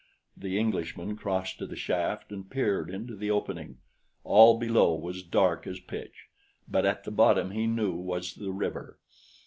The Englishman crossed to the shaft and peered into the opening. All below was dark as pitch; but at the bottom he knew was the river.